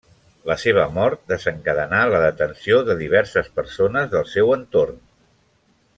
La seva mort desencadenà la detenció de diverses persones del seu entorn.